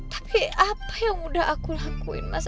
tapi apa yang udah aku lakuin mas